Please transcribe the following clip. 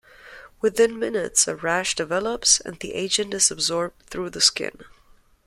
Within minutes, a rash develops and the agent is absorbed through the skin.